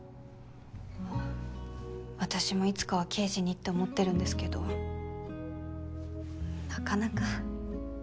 私もいつかは刑事にって思ってるんですけどなかなか。